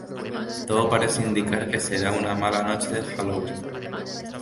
Todo parece indicar que será una mala noche de Halloween.